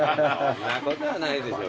そんなことはないでしょ。